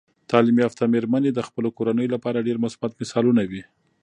تعلیم یافته میرمنې د خپلو کورنیو لپاره ډیر مثبت مثالونه وي.